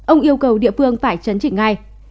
ông yêu cầu địa phương phải chấn trị ngay